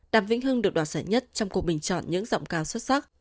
đàm vĩnh hưng được đoạt giải nhất trong cuộc bình chọn những giọng ca xuất sắc